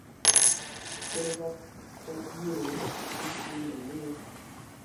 Tə́ gháp fêʼ yé nté no mə́u.